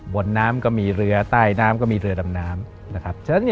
บนน้ำก็มีเรือใต้น้ำก็มีเรือดำน้ำนะครับ